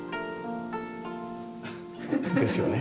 ですよね？